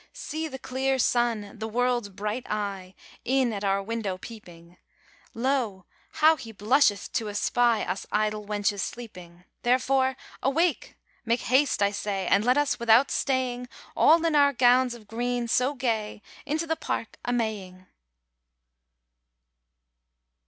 See the clear sun, the world's bright eye, In at our window peeping: Lo, how he blusheth to espy Us idle wenches sleeping! Therefore awake! make haste, I say, And let us, without staying, All in our gowns of green so gay Into the Park a maying!